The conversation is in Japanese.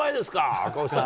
赤星さん。